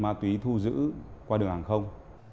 má túy thu giữ qua đường hàng không